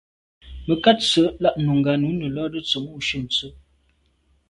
Mə̀kát sə̌ lá’ nùngá nǔ nə̀ lódə tsə̀mô shûn tsə́.